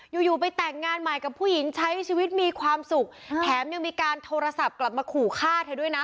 อยู่อยู่ไปแต่งงานใหม่กับผู้หญิงใช้ชีวิตมีความสุขแถมยังมีการโทรศัพท์กลับมาขู่ฆ่าเธอด้วยนะ